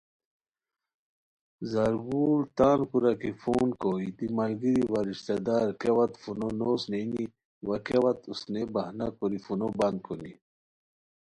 زارگل تان کورا کی فون کوئے دی ملگیری وا رشتہ دار کیہ وت فونو نو اوسنئینی وا کیہ وت اوسنئیے بہنہ کوری فونو بند کونی